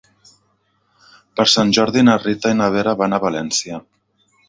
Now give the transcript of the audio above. Per Sant Jordi na Rita i na Vera van a València.